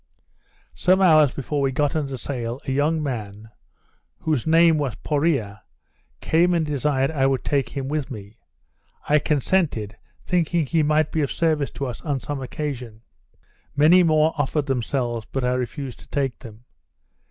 Some hours before we got under sail, a young man, whose name was Poreo, came and desired I would take him with me. I consented, thinking he might be of service to us on some occasion. Many more offered themselves, but I refused to take them.